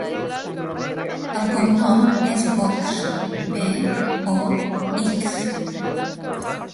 El cognom és Box: be, o, ics.